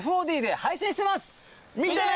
見てね！